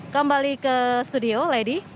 kembali ke studio lady